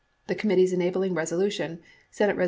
The committee's enabling resolution, S. Ees.